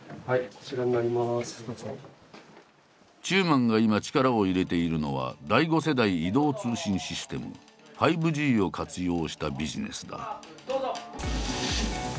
中馬が今力を入れているのは第５世代移動通信システム「５Ｇ」を活用したビジネスだ。